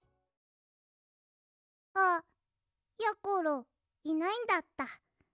あやころいないんだった。